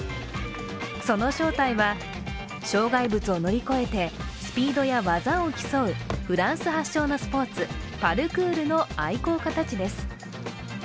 その正体は、障害物を乗り越えてスピードや技を競う、フランス発祥のスポーツパルクールの愛好家たちです。